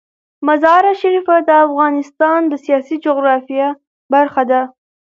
مزارشریف د افغانستان د سیاسي جغرافیه برخه ده.